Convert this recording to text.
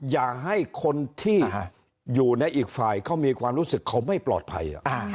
อย่าให้คนที่อยู่ในอีกฝ่ายเขามีความรู้สึกเขาไม่ปลอดภัย